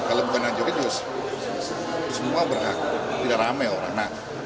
kalau bukan anak jokowi semua berhak tidak ramai orang